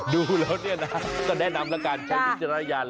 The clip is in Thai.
ดูแล้วเนี่ยนะก็แนะนำแล้วกันใช้วิจารณญาณ